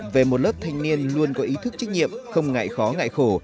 về một lớp thanh niên luôn có ý thức trách nhiệm không ngại khó ngại khổ